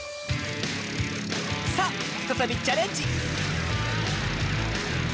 さあふたたびチャレンジ！